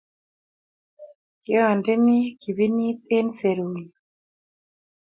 kiandene kipinit eng' serunyu